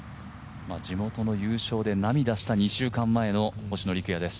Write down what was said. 地元の優勝で涙した２週間前の星野陸也です。